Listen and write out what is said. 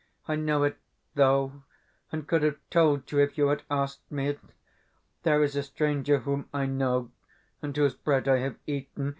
I know it, though, and could have told you if you had asked me. There is a stranger whom I know, and whose bread I have eaten.